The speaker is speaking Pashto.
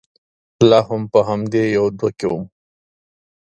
لا هم په همدې يوه دوه کې ووم.